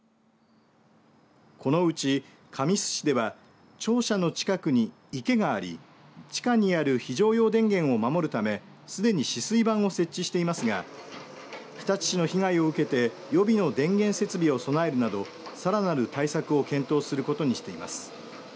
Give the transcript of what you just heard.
このうち神栖市では庁舎の近くに池があり地下にある非常用電源を守るためすでに止水板を設置していますが日立市の被害を受けて予備の電源設備を備えるなどさらなる対策を検討することにしています。